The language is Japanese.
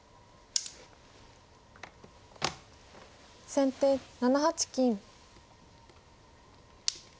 先手７八金。